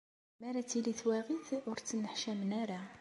Mi ara d-tili twaɣit, ur ttneḥcamen ara.